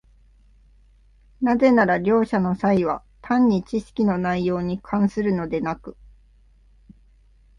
なぜなら両者の差異は単に知識の内容に関するのでなく、